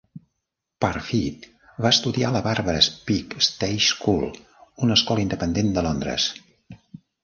Parfitt va estudiar a la Barbara Speake Stage School, una escola independent de Londres.